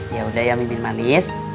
yaudah ya mimin manis